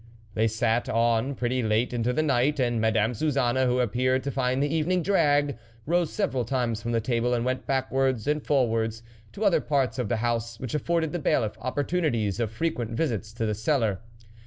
They sat on pretty late into the night, and Madame Suzanne, who appeared to find the evening drag, rose several times from the table and went backwards and forwards to other parts of the house, which afforded the Bailiff opportunities of frequent visits to the cellar.